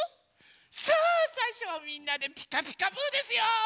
さあさいしょはみんなで「ピカピカブ！」ですよ。